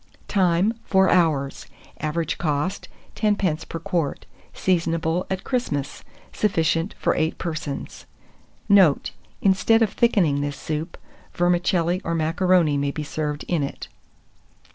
Time. 4 hours. Average cost, 10d. per quart. Seasonable at Christmas. Sufficient for 8 persons. Note. Instead of thickening this soup, vermicelli or macaroni may be served in it.